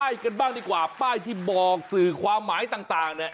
ป้ายกันบ้างดีกว่าป้ายที่บอกสื่อความหมายต่าง